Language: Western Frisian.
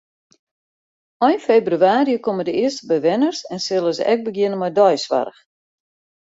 Ein febrewaarje komme de earste bewenners en sille se ek begjinne mei deisoarch.